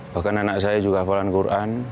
bahkan anak saya juga hafalan quran